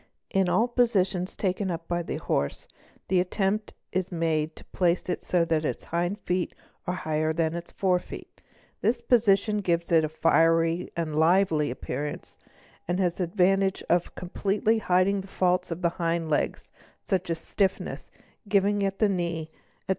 | In all positions taken up by the horse the attempt is made to place it — so that its hind feet are higher than its fore feet. This position gives it a fiery and lively appearance and has the advantage of completely hiding" the faults of the hind legs, such as stiffness, giving at the knee, etc.